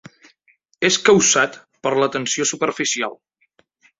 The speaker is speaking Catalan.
És causat per la tensió superficial.